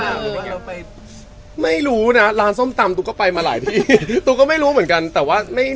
เราไปไม่รู้นะร้านส้มตำตูก็ไปมาหลายที่